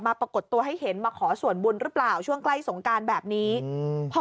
ทางผู้ชมพอเห็นแบบนี้นะทางผู้ชมพอเห็นแบบนี้นะ